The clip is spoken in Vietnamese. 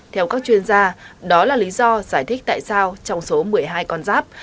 theo các chuyên gia đó là lý do giải thích tại sao trong số một mươi hai con giáp